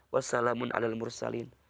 wassalamun ala mursalin